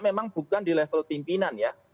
memang bukan di level pimpinan ya